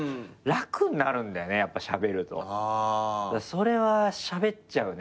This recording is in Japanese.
それはしゃべっちゃうね。